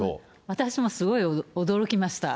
私もすごい驚きました。